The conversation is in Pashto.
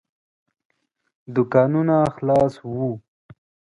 دوکانونه خلاص وو.